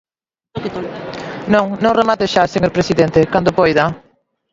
Non, non, remate xa, señor presidente, cando poida.